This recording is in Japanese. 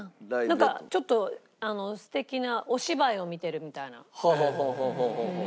なんかちょっと素敵なお芝居を見てるみたいな。